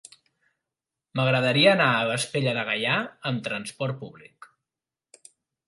M'agradaria anar a Vespella de Gaià amb trasport públic.